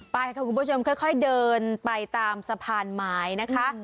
ไปค่ะคุณผู้ชมค่อยเดินไปตามสะพานไม้นะคะ